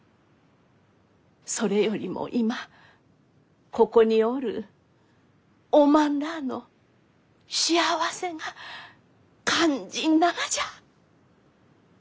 それよりも今ここにおるおまんらあの幸せが肝心ながじゃ。